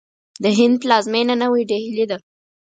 د هند پلازمینه نوی ډهلي ده.